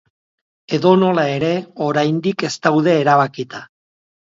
Edonola ere, oraindik ez daude erabakita.